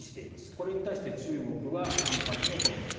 これに対して中国は反発のコメント。